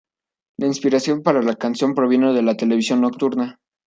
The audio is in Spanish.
La inspiración para la canción provino de la televisión nocturna.